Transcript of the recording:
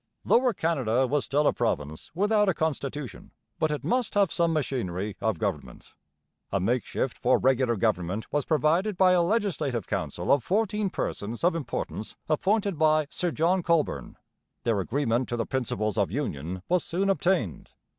Lower Canada was still a province without a constitution; but it must have some machinery of government. A makeshift for regular government was provided by a Legislative Council of fourteen persons of importance appointed by Sir John Colborne. Their agreement to the principles of union was soon obtained.